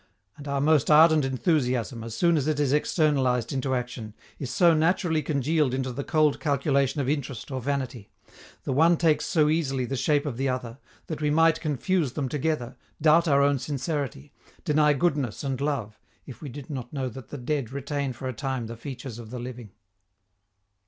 And our most ardent enthusiasm, as soon as it is externalized into action, is so naturally congealed into the cold calculation of interest or vanity, the one takes so easily the shape of the other, that we might confuse them together, doubt our own sincerity, deny goodness and love, if we did not know that the dead retain for a time the features of the living.